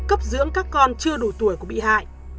cấp dưỡng các con chưa đủ tuổi của bị hại